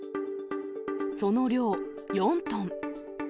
その量、４トン。